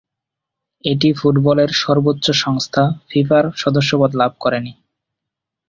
এটি ফুটবলের সর্বোচ্চ সংস্থা ফিফার সদস্যপদ লাভ করেনি।